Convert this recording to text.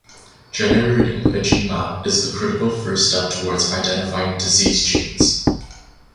Generating a gene map is the critical first step towards identifying disease genes.